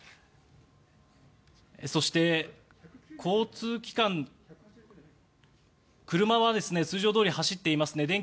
そして、車は通常どおり走っていますね。